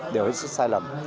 điều rất sai lầm